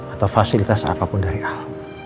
atau fasilitas apapun dari hal